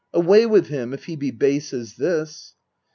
Away with him, if he be base as this